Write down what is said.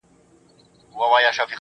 حتی د مرګ سبب شي